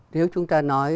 nếu chúng ta nói